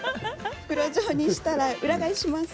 袋状にしたら裏返します。